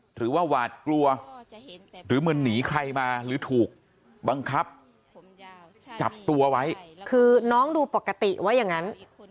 หรือว่าหวาดกลัวหรือเหมือนหนีใครมาหรือถูกบังคับจับตัวไว้คือน้องดูปกติไว้อย่างนั้น